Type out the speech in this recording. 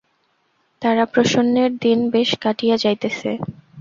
তারাপ্রসন্নের দিন বেশ কাটিয়া যাইতেছে।